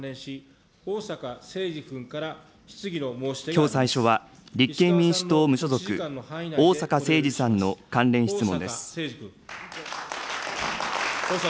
きょう最初は立憲民主党・無所属、逢坂誠二さんの関連質問です。